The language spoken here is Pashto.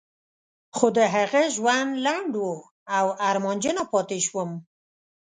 خو د هغه ژوند لنډ و او ارمانجنه پاتې شوم.